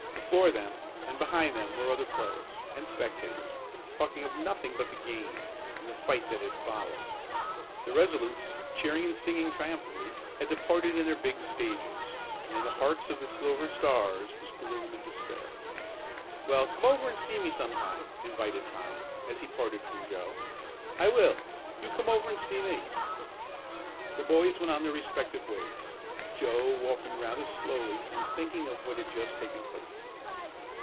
Before them and behind them were other players and spectators, talking of nothing but the game and the fight that had followed. The Resolutes, cheering and singing triumphantly, had departed in their big stages, and in the hearts of the Silver Stars was gloom and despair. "Well, come over and see me sometime," invited Tom, as he parted from Joe. "I will. You come over and see me." The boys went their respective ways Joe walking rather slowly and thinking of what had just taken place.